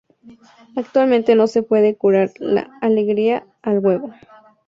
Actualmente no se puede curar la alergia al huevo.